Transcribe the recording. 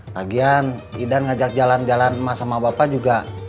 lagian idan ngajak jalan jalan emas sama bapak juga